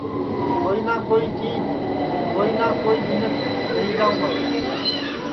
کوئی نہ کوئی چیج کوئی نہ کوئی منکھ رہی جاؤں گا